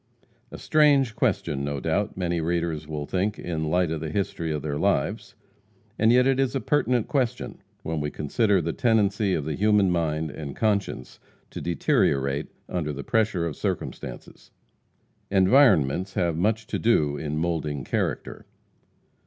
A strange question, no doubt, many readers will think, in the light of the history of their lives. And yet it is a pertinent question, when we consider the tendency of the human mind and conscience to deteriorate under the pressure of circumstances. Environments have much to do in molding character.